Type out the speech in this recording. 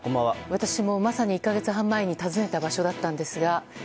私も、まさに１か月半前に訪ねた場所だったんですが。